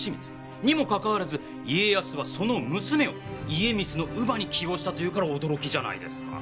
にもかかわらず家康はその娘を家光の乳母に起用したというから驚きじゃないですか。